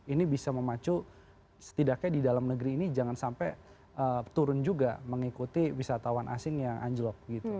ini bisa memacu setidaknya di dalam negeri ini jangan sampai turun juga mengikuti wisatawan asing yang anjlok gitu